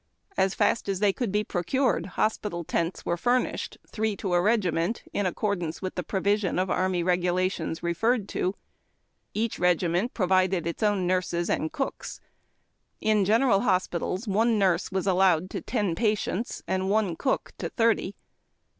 As fast as they could be procured, hospital tents were furnished, three to a regiment, in accordance with the pro vision of Army Regulations referred to. Each regiment pro vided its own nurses and cooks. In general hospitals one nurse was allowed to ten patients, and one cook to thirty.